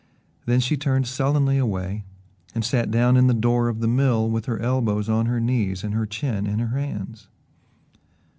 Then she turned sullenly away and sat down in the door of the mill with her elbows on her knees and her chin in her hands.